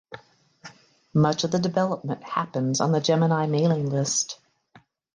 Much of the development happens on the Gemini mailing list.